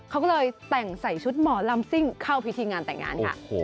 เขาก็เลยแต่งใส่ชุดหมอลำซิ่งเข้าพิธีงานแต่งงานค่ะ